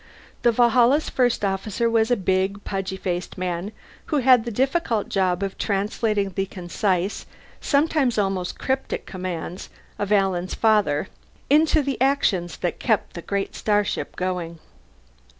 The Valhalla's First Officer was a big pudgy faced man who had the difficult job of translating the concise, sometimes almost cryptic commands of Alan's father into the actions that kept the great starship going.